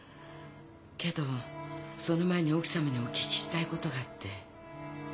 けどその前に奥様にお聞きしたいことがあって。